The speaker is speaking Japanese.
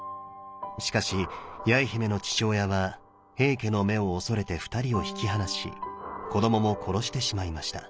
しかし八重姫の父親は平家の目を恐れて２人を引き離し子どもも殺してしまいました。